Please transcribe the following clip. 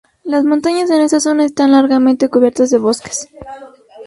Las montañas en esta zona están largamente cubiertas de bosques.